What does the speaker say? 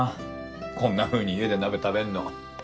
こんな風に家で鍋食べんの。